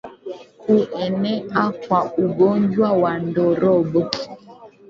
Kuenea kwa ugonjwa wa ndorobo